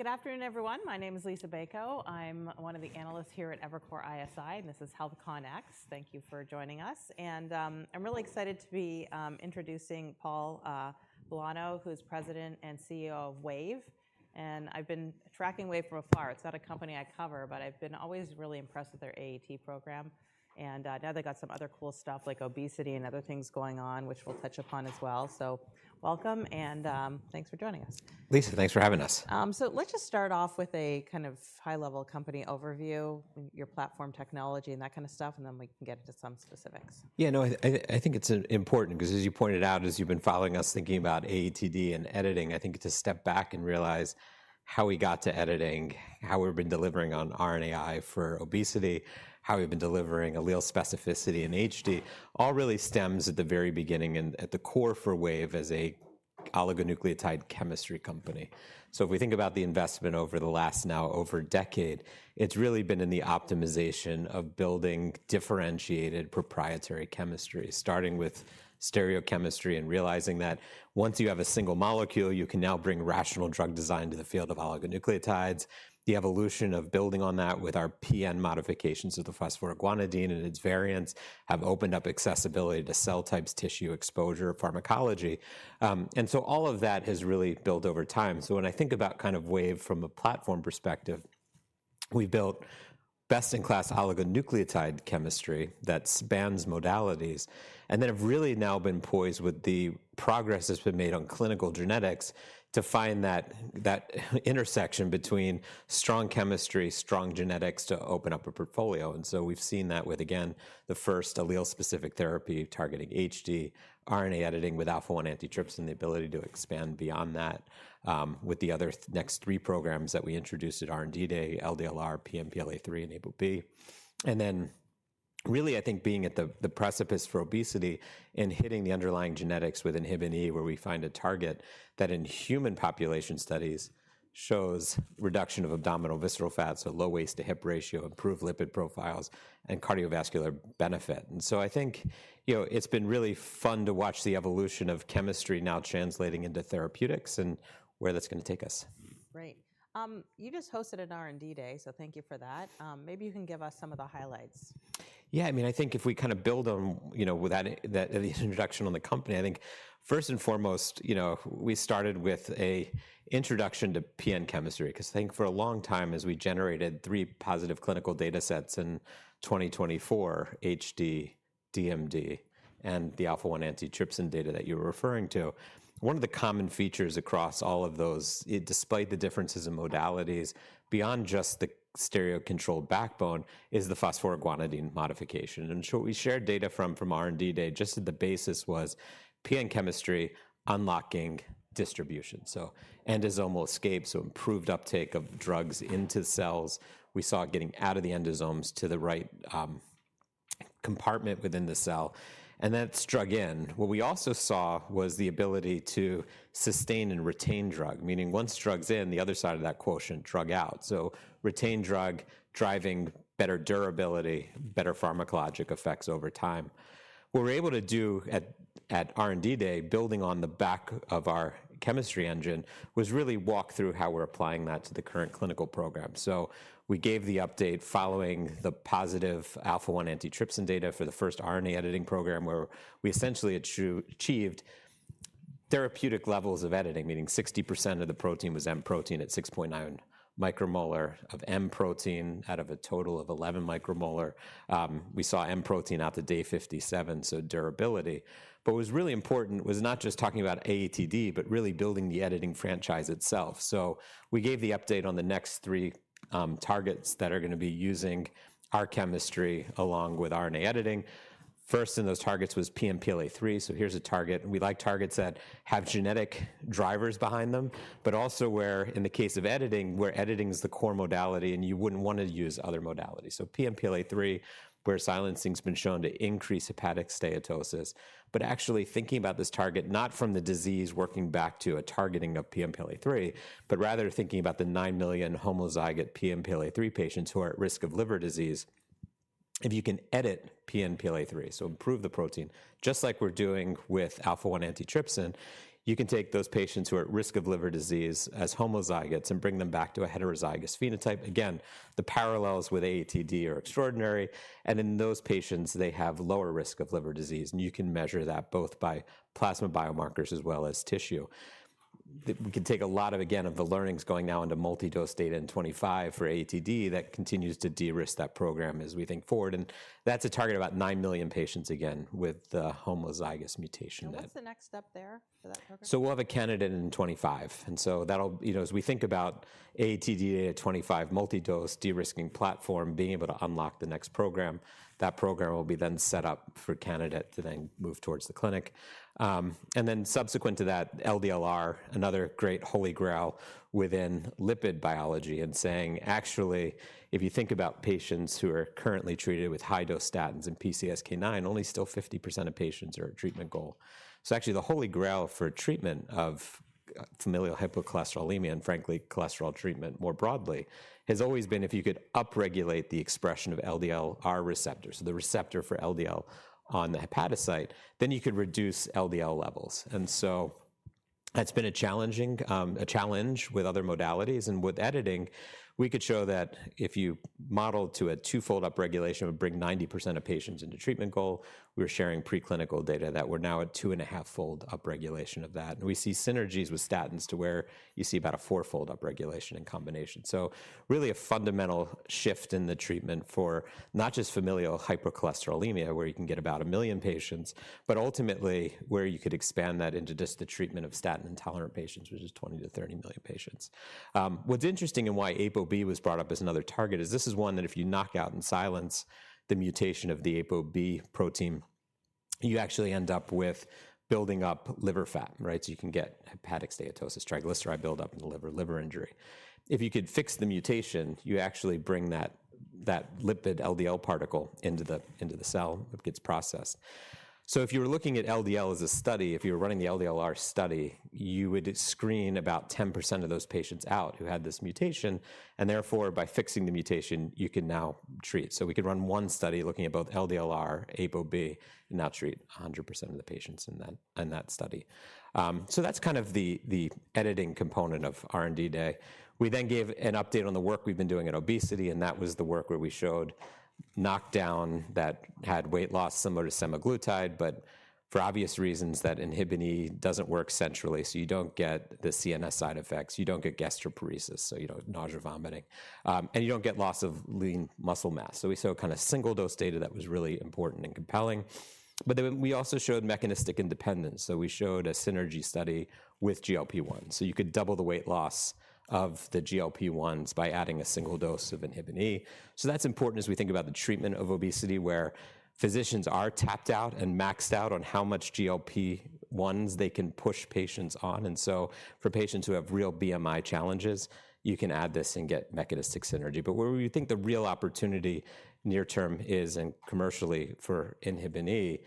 Good afternoon, everyone. My name is Lisa Bayko. I'm one of the analysts here at Evercore ISI, and this is HealthCONx. Thank you for joining us, and I'm really excited to be introducing Paul Bolno, who's President and CEO of Wave, and I've been tracking Wave from afar. It's not a company I cover, but I've been always really impressed with their AAT program, and now they've got some other cool stuff, like obesity and other things going on, which we'll touch upon as well, so welcome, and thanks for joining us. Lisa, thanks for having us. So let's just start off with a kind of high-level company overview, your platform, technology, and that kind of stuff, and then we can get into some specifics. Yeah, no, I think it's important because, as you pointed out, as you've been following us thinking about AATD and editing, I think it's a step back and realize how we got to editing, how we've been delivering on RNAi for obesity, how we've been delivering allele specificity in HD, all really stems at the very beginning and at the core for Wave as an oligonucleotide chemistry company. So if we think about the investment over the last now over a decade, it's really been in the optimization of building differentiated proprietary chemistry, starting with stereochemistry and realizing that once you have a single molecule, you can now bring rational drug design to the field of oligonucleotides. The evolution of building on that with our PN modifications of the phosphoryl guanidine and its variants have opened up accessibility to cell types, tissue exposure, pharmacology. And so all of that has really built over time. So when I think about kind of Wave from a platform perspective, we've built best-in-class oligonucleotide chemistry that spans modalities, and then have really now been poised with the progress that's been made on clinical genetics to find that intersection between strong chemistry, strong genetics to open up a portfolio. And so we've seen that with, again, the first allele-specific therapy targeting HD, RNA editing with alpha-1 antitrypsin, the ability to expand beyond that with the other next three programs that we introduced at R&D Day, LDLR, PNPLA3, and ApoB. And then really, I think being at the precipice for obesity and hitting the underlying genetics with Inhibin E, where we find a target that in human population studies shows reduction of abdominal visceral fat, so low waist-to-hip ratio, improved lipid profiles, and cardiovascular benefit. I think it's been really fun to watch the evolution of chemistry now translating into therapeutics and where that's going to take us. Great. You just hosted an R&D Day, so thank you for that. Maybe you can give us some of the highlights. Yeah, I mean, I think if we kind of build on that introduction on the company, I think first and foremost, we started with an introduction to PN chemistry because I think for a long time, as we generated three positive clinical data sets in 2024, HD, DMD, and the alpha-1 antitrypsin data that you were referring to, one of the common features across all of those, despite the differences in modalities, beyond just the stereocontrol backbone, is the phosphoroguanidine modification. And so we shared data from R&D Day. Just the basis was PN chemistry unlocking distribution. So endosomal escape, so improved uptake of drugs into cells. We saw getting out of the endosomes to the right compartment within the cell, and that's drug in. What we also saw was the ability to sustain and retain drug, meaning once drug's in, the other side of that quotient, drug out. Retain drug, driving better durability, better pharmacologic effects over time. What we're able to do at R&D Day, building on the back of our chemistry engine, was really walk through how we're applying that to the current clinical program. We gave the update following the positive alpha-1 antitrypsin data for the first RNA editing program, where we essentially achieved therapeutic levels of editing, meaning 60% of the protein was M protein at 6.9 micromolar of M protein out of a total of 11 micromolar. We saw M protein out to day 57, so durability. But what was really important was not just talking about AATD, but really building the editing franchise itself. We gave the update on the next three targets that are going to be using our chemistry along with RNA editing. First in those targets was PNPLA3. Here's a target. We like targets that have genetic drivers behind them, but also where, in the case of editing, where editing is the core modality and you wouldn't want to use other modalities. PNPLA3, where silencing has been shown to increase hepatic steatosis. But actually thinking about this target, not from the disease working back to a targeting of PNPLA3, but rather thinking about the nine million homozygous PNPLA3 patients who are at risk of liver disease, if you can edit PNPLA3, so improve the protein, just like we're doing with alpha-1 antitrypsin, you can take those patients who are at risk of liver disease as homozygous and bring them back to a heterozygous phenotype. Again, the parallels with AATD are extraordinary. In those patients, they have lower risk of liver disease. You can measure that both by plasma biomarkers as well as tissue. We can take a lot of, again, of the learnings going now into multi-dose data in 2025 for AATD that continues to de-risk that program as we think forward, and that's a target about nine million patients, again, with the homozygous mutation. What's the next step there for that program? We'll have a candidate in 2025. That'll, as we think about AATD at 2025, multi-dose de-risking platform, being able to unlock the next program, that program will be then set up for candidate to then move towards the clinic. Then subsequent to that, LDLR, another great holy grail within lipid biology and saying, actually, if you think about patients who are currently treated with high-dose statins and PCSK9, only still 50% of patients are at treatment goal. Actually, the holy grail for treatment of familial hypercholesterolemia and, frankly, cholesterol treatment more broadly has always been if you could upregulate the expression of LDLR receptors, so the receptor for LDL on the hepatocyte, then you could reduce LDL levels. That's been a challenging challenge with other modalities. With editing, we could show that if you modeled to a two-fold upregulation, it would bring 90% of patients into treatment goal. We were sharing preclinical data that we're now at two and a half-fold upregulation of that. We see synergies with statins to where you see about a four-fold upregulation in combination. Really a fundamental shift in the treatment for not just familial hypercholesterolemia, where you can get about a million patients, but ultimately where you could expand that into just the treatment of statin intolerant patients, which is 20 to 30 million patients. What's interesting and why ApoB was brought up as another target is this is one that if you knock out and silence the mutation of the ApoB protein, you actually end up with building up liver fat, right? You can get hepatic steatosis, triglyceride buildup in the liver, liver injury. If you could fix the mutation, you actually bring that lipid LDL particle into the cell. It gets processed, so if you were looking at LDL as a study, if you were running the LDLR study, you would screen about 10% of those patients out who had this mutation, and therefore, by fixing the mutation, you can now treat, so we could run one study looking at both LDLR, ApoB, and now treat 100% of the patients in that study, so that's kind of the editing component of R&D Day. We then gave an update on the work we've been doing in obesity, and that was the work where we showed knockdown that had weight loss similar to semaglutide, but for obvious reasons that Inhibin E doesn't work centrally, so you don't get the CNS side effects. You don't get gastroparesis, so you don't get nausea, vomiting, and you don't get loss of lean muscle mass. So we showed kind of single-dose data that was really important and compelling. But then we also showed mechanistic independence. So we showed a synergy study with GLP-1. So you could double the weight loss of the GLP-1s by adding a single dose of Inhibin E. So that's important as we think about the treatment of obesity, where physicians are tapped out and maxed out on how much GLP-1s they can push patients on. And so for patients who have real BMI challenges, you can add this and get mechanistic synergy. But where we think the real opportunity near term is, and commercially for Inhibin E,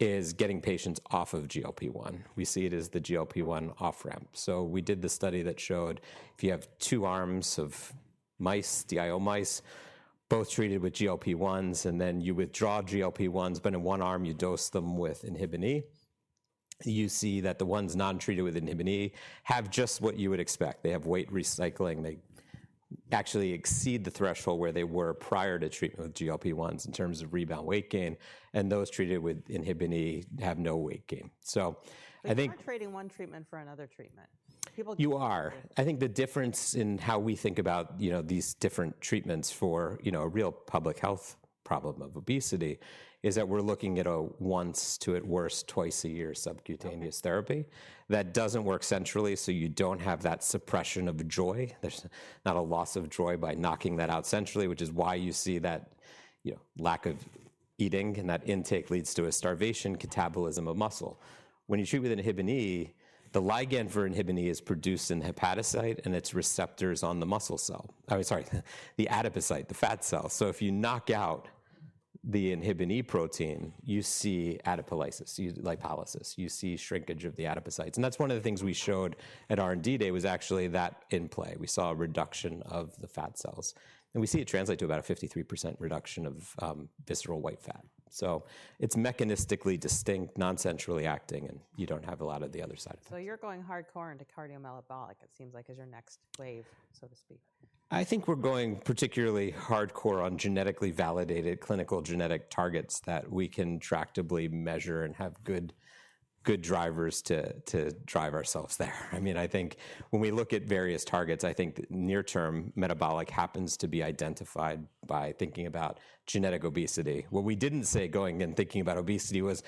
is getting patients off of GLP-1. We see it as the GLP-1 off-ramp. So we did the study that showed if you have two arms of mice, DIO mice, both treated with GLP-1s, and then you withdraw GLP-1s, but in one arm you dose them with Inhibin E, you see that the ones non-treated with Inhibin E have just what you would expect. They have weight recycling. They actually exceed the threshold where they were prior to treatment with GLP-1s in terms of rebound weight gain. And those treated with Inhibin E have no weight gain. So I think. You're not trading one treatment for another treatment. People. You are. I think the difference in how we think about these different treatments for a real public health problem of obesity is that we're looking at a once to, at worst, twice a year subcutaneous therapy that doesn't work centrally, so you don't have that suppression of joy. There's not a loss of joy by knocking that out centrally, which is why you see that lack of eating and that intake leads to a starvation catabolism of muscle. When you treat with Inhibin E, the ligand for Inhibin E is produced in the hepatocyte, and its receptors on the muscle cell. I mean, sorry, the adipocyte, the fat cell. So if you knock out the Inhibin E protein, you see adipolysis, lipolysis. You see shrinkage of the adipocytes. And that's one of the things we showed at R&D Day was actually that in play. We saw a reduction of the fat cells, and we see it translate to about a 53% reduction of visceral white fat, so it's mechanistically distinct, non-centrally acting, and you don't have a lot of the other side effects. So you're going hardcore into cardiometabolic, it seems like, as your next wave, so to speak. I think we're going particularly hardcore on genetically validated clinical genetic targets that we can tractably measure and have good drivers to drive ourselves there. I mean, I think when we look at various targets, I think near-term metabolic happens to be identified by thinking about genetic obesity. What we didn't say going and thinking about obesity was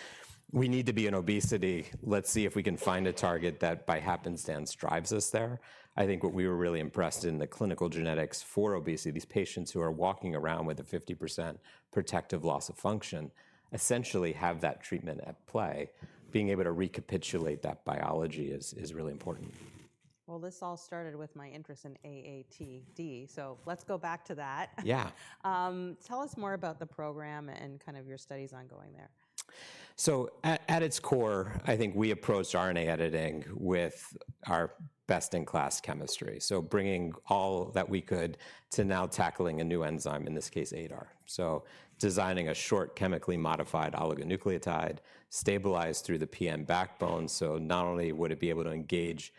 we need to be in obesity. Let's see if we can find a target that by happenstance drives us there. I think what we were really impressed in the clinical genetics for obesity, these patients who are walking around with a 50% protective loss of function essentially have that treatment at play. Being able to recapitulate that biology is really important. This all started with my interest in AATD. Let's go back to that. Yeah. Tell us more about the program and kind of your studies ongoing there. So at its core, I think we approached RNA editing with our best-in-class chemistry, so bringing all that we could to now tackling a new enzyme, in this case, ADAR. So designing a short chemically modified oligonucleotide stabilized through the PN backbone. So not only would it be able to engage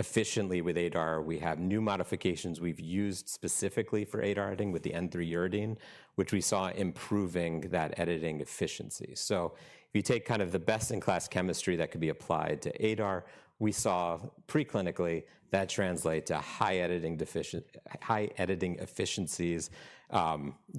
efficiently with ADAR, we have new modifications we've used specifically for ADAR editing with the N3 uridine, which we saw improving that editing efficiency. So if you take kind of the best-in-class chemistry that could be applied to ADAR, we saw preclinically that translate to high editing efficiencies,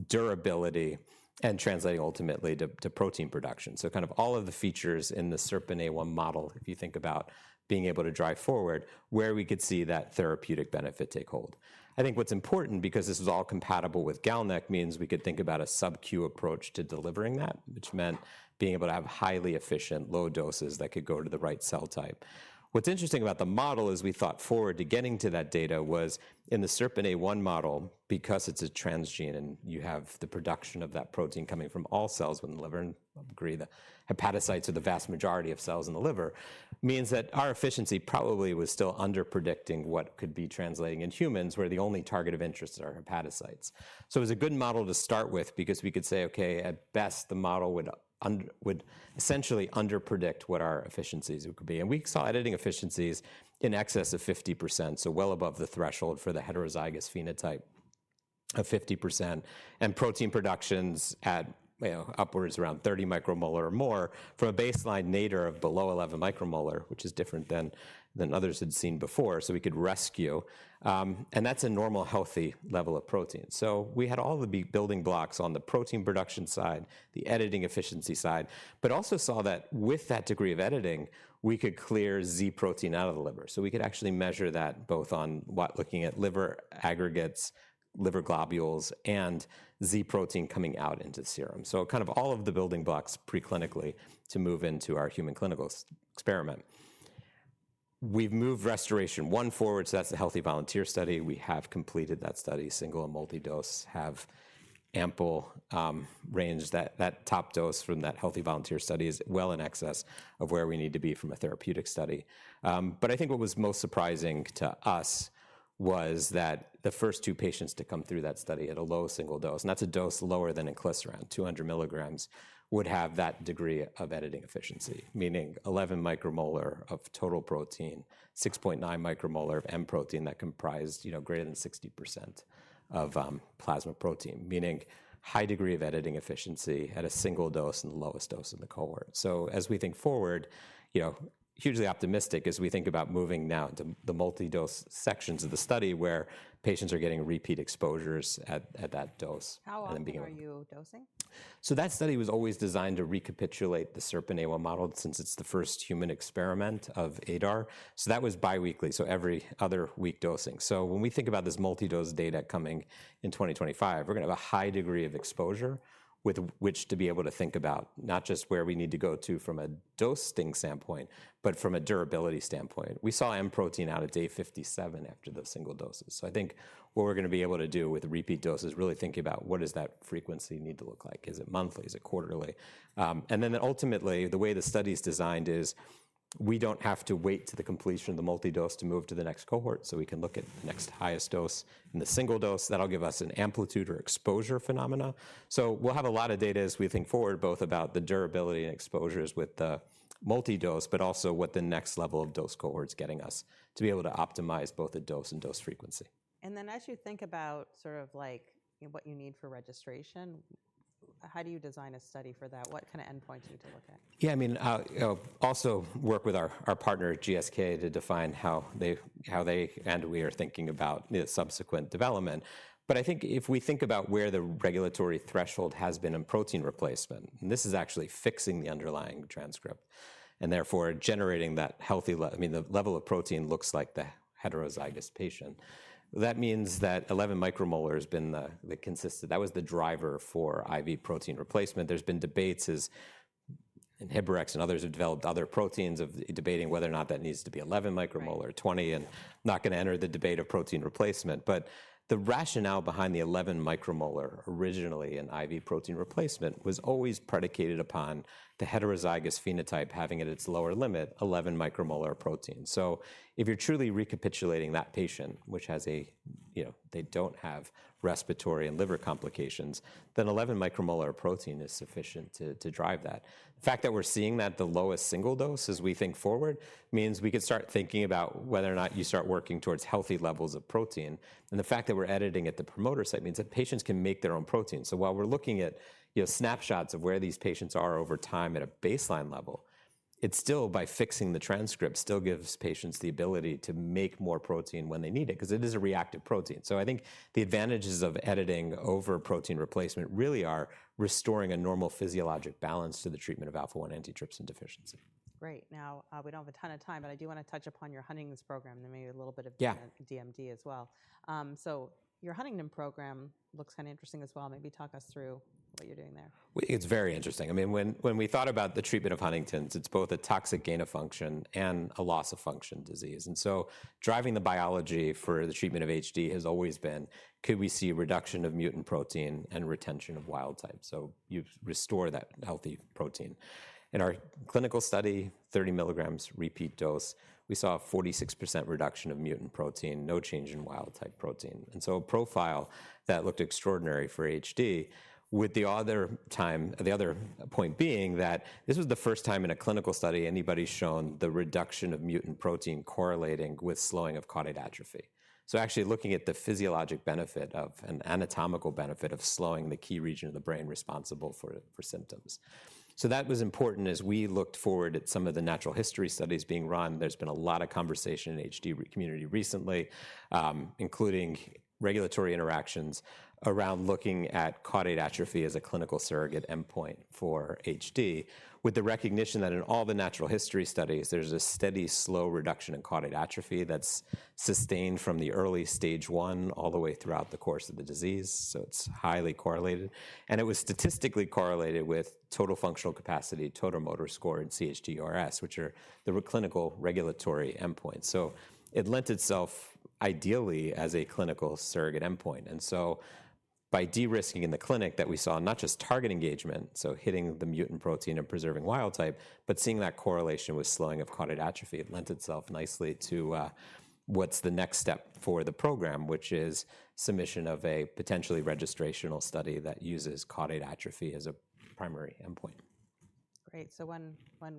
durability, and translating ultimately to protein production. So kind of all of the features in the SERPINA1 model, if you think about being able to drive forward, where we could see that therapeutic benefit take hold. I think what's important, because this was all compatible with GalNAc, means we could think about a sub-Q approach to delivering that, which meant being able to have highly efficient low doses that could go to the right cell type. What's interesting about the model as we thought forward to getting to that data was in the SERPINA1 model, because it's a transgene and you have the production of that protein coming from all cells in the liver, and I agree the hepatocytes are the vast majority of cells in the liver, means that our efficiency probably was still underpredicting what could be translating in humans, where the only target of interest are hepatocytes. So it was a good model to start with because we could say, okay, at best, the model would essentially underpredict what our efficiencies could be. We saw editing efficiencies in excess of 50%, so well above the threshold for the heterozygous phenotype of 50%. Protein productions at upwards around 30 micromolar or more from a baseline nadir of below 11 micromolar, which is different than others had seen before. We could rescue. That's a normal healthy level of protein. We had all the building blocks on the protein production side, the editing efficiency side, but also saw that with that degree of editing, we could clear Z protein out of the liver. We could actually measure that both on looking at liver aggregates, liver globules, and Z protein coming out into serum. Kind of all of the building blocks preclinically to move into our human clinical experiment. We've moved RestorAATion-1 forward, so that's the healthy volunteer study. We have completed that study. Single and multi-dose have ample range. That top dose from that healthy volunteer study is well in excess of where we need to be from a therapeutic study. But I think what was most surprising to us was that the first two patients to come through that study at a low single dose, and that's a dose lower than in GalNAc, 200 milligrams, would have that degree of editing efficiency, meaning 11 micromolar of total protein, 6.9 micromolar of M protein that comprised greater than 60% of plasma protein, meaning high degree of editing efficiency at a single dose and the lowest dose in the cohort. So as we think forward, hugely optimistic as we think about moving now into the multi-dose sections of the study where patients are getting repeat exposures at that dose. How often were you dosing? That study was always designed to recapitulate the SERPINA1 model since it's the first human experiment of ADAR. That was biweekly, so every other week dosing. When we think about this multi-dose data coming in 2025, we're going to have a high degree of exposure with which to be able to think about not just where we need to go to from a dosing standpoint, but from a durability standpoint. We saw M protein out at day 57 after those single doses. I think what we're going to be able to do with repeat dose is really think about what does that frequency need to look like. Is it monthly? Is it quarterly? Ultimately, the way the study is designed is we don't have to wait to the completion of the multi-dose to move to the next cohort. So we can look at the next highest dose and the single dose. That'll give us an amplitude or exposure phenomena. So we'll have a lot of data as we think forward, both about the durability and exposures with the multi-dose, but also what the next level of dose cohort's getting us to be able to optimize both the dose and dose frequency. Then as you think about sort of what you need for registration, how do you design a study for that? What kind of endpoints do you look at? Yeah, I mean, also work with our partner, GSK, to define how they and we are thinking about the subsequent development. But I think if we think about where the regulatory threshold has been in protein replacement, and this is actually fixing the underlying transcript and therefore generating that healthy, I mean, the level of protein looks like the heterozygous patient, that means that 11 micromolar has been the consistent, that was the driver for IV protein replacement. There's been debates as in Inhibrx and others have developed other proteins of debating whether or not that needs to be 11 micromolar or 20, and not going to enter the debate of protein replacement. But the rationale behind the 11 micromolar originally in IV protein replacement was always predicated upon the heterozygous phenotype having at its lower limit 11 micromolar of protein. So if you're truly recapitulating that patient, which has a, they don't have respiratory and liver complications, then 11 micromolar of protein is sufficient to drive that. The fact that we're seeing that the lowest single dose as we think forward means we could start thinking about whether or not you start working towards healthy levels of protein. And the fact that we're editing at the promoter site means that patients can make their own protein. So while we're looking at snapshots of where these patients are over time at a baseline level, it still, by fixing the transcript, still gives patients the ability to make more protein when they need it because it is a reactive protein. So I think the advantages of editing over protein replacement really are restoring a normal physiologic balance to the treatment of alpha-1 antitrypsin deficiency. Great. Now, we don't have a ton of time, but I do want to touch upon your Huntington's program. There may be a little bit of DMD as well. So your Huntington program looks kind of interesting as well. Maybe talk us through what you're doing there. It's very interesting. I mean, when we thought about the treatment of Huntington's, it's both a toxic gain of function and a loss of function disease. And so driving the biology for the treatment of HD has always been, could we see a reduction of mutant protein and retention of wild type? So you restore that healthy protein. In our clinical study, 30 milligrams repeat dose, we saw a 46% reduction of mutant protein, no change in wild type protein. And so a profile that looked extraordinary for HD, with the other point being that this was the first time in a clinical study anybody's shown the reduction of mutant protein correlating with slowing of caudate atrophy. So actually looking at the physiologic benefit of an anatomical benefit of slowing the key region of the brain responsible for symptoms. So that was important as we looked forward at some of the natural history studies being run. There's been a lot of conversation in the HD community recently, including regulatory interactions around looking at caudate atrophy as a clinical surrogate endpoint for HD, with the recognition that in all the natural history studies, there's a steady slow reduction in caudate atrophy that's sustained from the early stage one all the way throughout the course of the disease. So it's highly correlated. And it was statistically correlated with total functional capacity, total motor score, and CHD-RS, which are the clinical regulatory endpoints. So it lent itself ideally as a clinical surrogate endpoint. And so by de-risking in the clinic that we saw not just target engagement, so hitting the mutant protein and preserving wild type, but seeing that correlation with slowing of caudate atrophy, it lent itself nicely to what's the next step for the program, which is submission of a potentially registrational study that uses caudate atrophy as a primary endpoint. Great. So when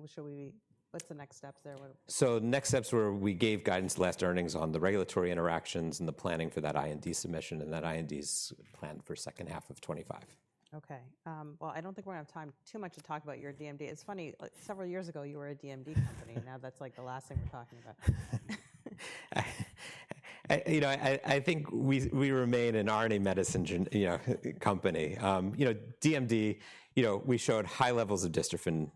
should we be, what's the next steps there? So the next steps where we gave guidance in last earnings on the regulatory interactions and the planning for that IND submission, and that IND is planned for second half of 2025. Okay. Well, I don't think we're going to have time too much to talk about your DMD. It's funny, several years ago, you were a DMD company. Now that's like the last thing we're talking about. I think we remain an RNA medicine company. DMD, we showed high levels of dystrophin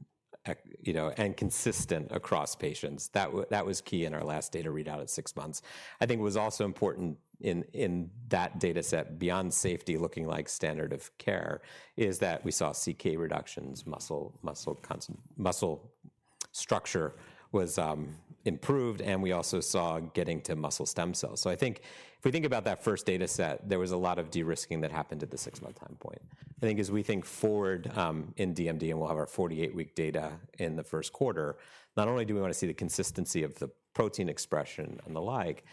and consistent across patients. That was key in our last data readout at six months. I think what was also important in that data set, beyond safety looking like standard of care, is that we saw CK reductions, muscle structure was improved, and we also saw getting to muscle stem cells. So I think if we think about that first data set, there was a lot of de-risking that happened at the six-month time point. I think as we think forward in DMD, and we'll have our 48-week data in the Q1, not only do we want to see the consistency of the protein expression and the like,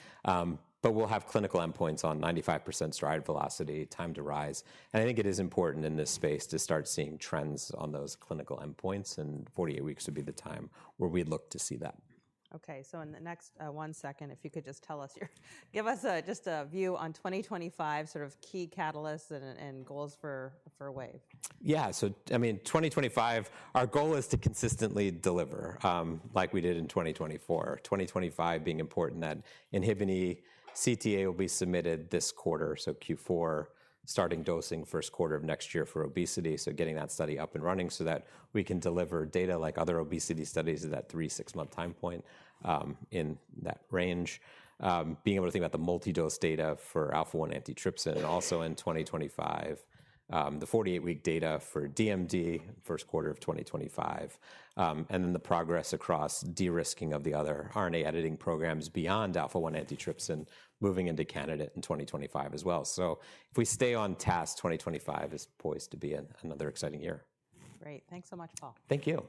but we'll have clinical endpoints on 95% stride velocity, time to rise. I think it is important in this space to start seeing trends on those clinical endpoints, and 48 weeks would be the time where we'd look to see that. Okay. So in the next one second, if you could just tell us, give us just a view on 2025 sort of key catalysts and goals for Wave? Yeah. So I mean, 2025, our goal is to consistently deliver like we did in 2024. 2025 being important that Inhibin E CTA will be submitted this quarter, so Q4, starting dosing Q1 of next year for obesity, so getting that study up and running so that we can deliver data like other obesity studies at that three, six-month time point in that range. Being able to think about the multi-dose data for alpha-1 antitrypsin and also in 2025, the 48-week data for DMD Q1 of 2025, and then the progress across de-risking of the other RNA editing programs beyond alpha-1 antitrypsin moving into candidate in 2025 as well. So if we stay on task, 2025 is poised to be another exciting year. Great. Thanks so much, Paul. Thank you.